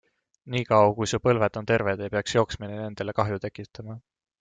Nii kaua, kui su põlved on terved, ei peaks jooksmine nendele kahju tekitama.